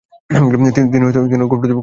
তিনি কৌরবদের পক্ষে যুদ্ধ করেন।